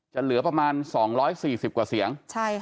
เหลือประมาณ๒๔๐กว่าเสียง